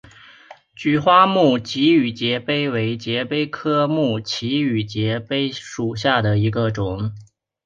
菊花木畸羽节蜱为节蜱科木畸羽节蜱属下的一个种。